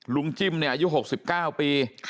ลุงจิ้มเนี่ยอายุ๖๙ปี